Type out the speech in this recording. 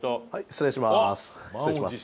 失礼します。